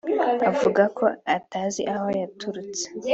avuga ko atazi aho yaturutse